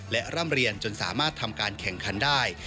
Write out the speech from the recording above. และร่ำเรียนจนสามารถทำการแข่งขันได้